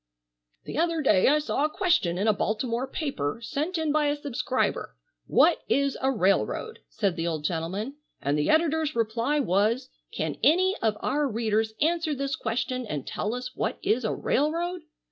"The other day I saw a question in a Baltimore paper, sent in by a subscriber, 'What is a railroad?'" said the old gentleman, "and the editor's reply was, 'Can any of our readers answer this question and tell us what is a railroad?